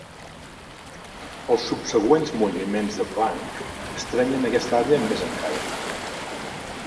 Els subsegüents moviments de blanc estrenyen aquesta àrea més encara.